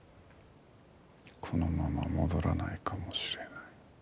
このまま戻らないかもしれない？